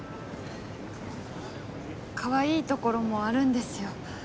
かわいいところもあるんですよ。